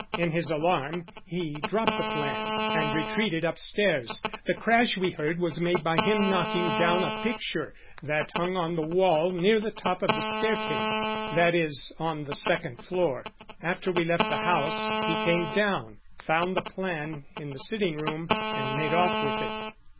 In his alarm he dropped the plan and retreated upstairs. The crash we heard was made by him knocking down a picture that hung on the wall near the top of the staircase that is on the second floor. After we left the house he came down, found the plan in the sitting room and made off with it."